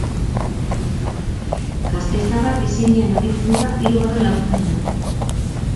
Gasteiztarrak ezinean aritu dira hirugarren laurdenean.